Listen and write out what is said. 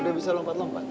udah bisa lompat lompat